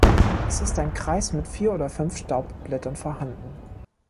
Es ist ein Kreis mit vier oder fünf Staubblättern vorhanden.